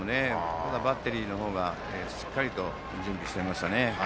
ただ、バッテリーの方がしっかり準備をしていましたね。